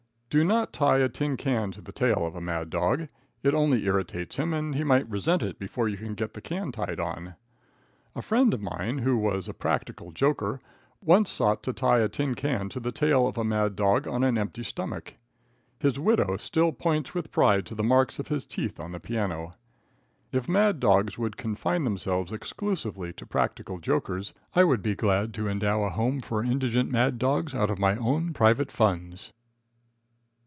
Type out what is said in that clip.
Do not tie a tin can to the tail of a mad dog. It only irritates him, and he might resent it before you get the can tied on. A friend of mine, who was a practical joker, once sought to tie a tin can to the tail of a mad dog on an empty stomach. His widow still points with pride to the marks of his teeth on the piano. If mad dogs would confine themselves exclusively to practical jokers, I would be glad to endow a home for indigent mad dogs out of my own private funds.